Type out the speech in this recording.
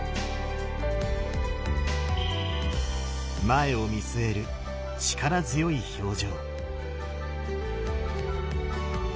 前を見据える力強い表情。